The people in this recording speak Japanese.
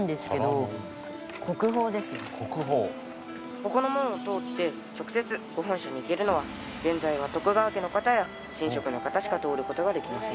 ここの門を通って直接御本社に行けるのは現在は徳川家の方や神職の方しか通る事ができません。